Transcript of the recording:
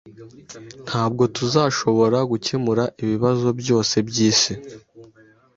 Ntabwo tuzashobora gukemura ibibazo byose byisi.